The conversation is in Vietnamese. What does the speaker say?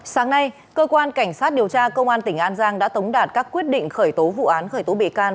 sáng nay cơ quan cảnh sát điều tra công an tỉnh an giang đã tống đạt các quyết định khởi tố vụ án khởi tố bị can